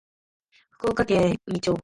福岡県宇美町